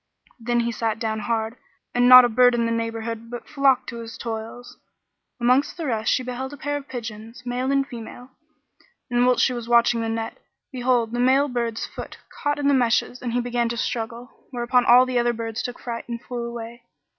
Then he sat down hard by, and not a bird in the neighbourhood but flocked to his toils. Amongst the rest she beheld a pair of pigeons, male and female; and, whilst she was watching the net, behold, the male bird's foot caught in the meshes and he began to struggle; whereupon all the other birds took fright and flew away.